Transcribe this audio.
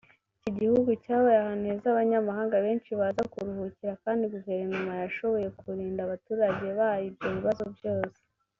Iki gihugu cyabaye ahantu heza abanyamahanga benshi baza kuruhukira kandi Guverinoma yashoboye kurinda abaturage bayo ibyo bibazo byose